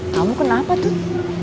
kamu kenapa tuh